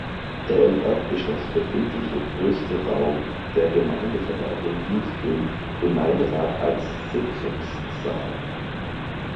Der im Erdgeschoss befindliche größte Raum der Gemeindeverwaltung dient dem Gemeinderat als Sitzungssaal.